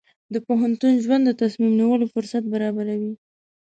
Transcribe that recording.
د پوهنتون ژوند د تصمیم نیولو فرصت برابروي.